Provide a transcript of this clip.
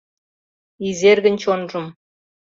Изергын чонжым.